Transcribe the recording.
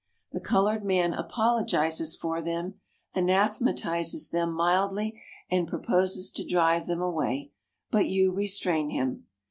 The colored man apologizes for them, anathematizes them mildly, and proposes to drive them away, but you restrain him.